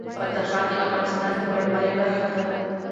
بدخشان د افغانستان د بڼوالۍ برخه ده.